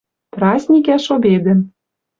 Праздникӓш обедӹм.